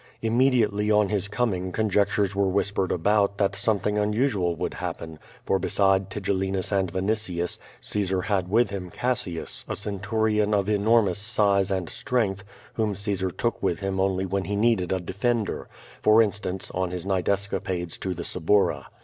Immediately on his coming conjectures were whispered about that some thing unusual would happen, for beside Tigellinus and Vatiri ius, Caesar had with Cassius, a centurion of enormous size and strength, whom Caesar took with him only when he needed a defender — for instance, on his night escapades to the Suburra.